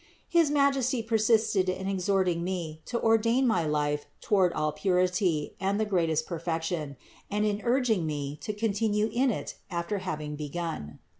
His Majesty persisted in exhorting me to ordain my life toward all purity and the greatest perfection, and in urging me to continue in it after having begun.